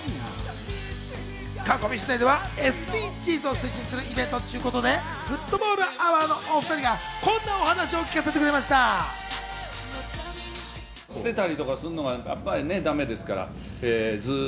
囲み取材ではＳＤＧｓを推進するイベントということで、フットボールアワーのお二人がこんなお話を聞かせてくれました。